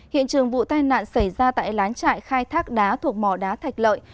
hiện trường vụ tai nạn xảy ra tại lán trại khai thác đá thuộc mỏ đá thạch lợi